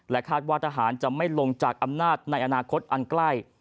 คาดว่าทหารจะไม่ลงจากอำนาจในอนาคตอันใกล้